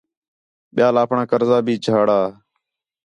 ٻِیال اپݨاں قرضہ بھی جھاڑا